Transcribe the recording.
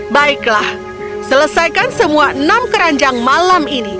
baiklah selesaikan semua enam keranjang malam ini